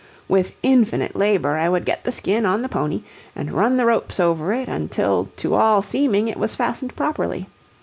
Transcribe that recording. With infinite labor I would get the skin on the pony and run the ropes over it until to all seeming it was fastened properly.